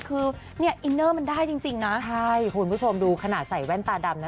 คือเนี่ยอินเนอร์มันได้จริงจริงนะใช่คุณผู้ชมดูขนาดใส่แว่นตาดำนะ